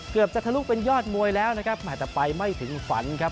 เกือบจะทะลุเป็นยอดมวยแล้วนะครับแต่ไปไม่ถึงฝันครับ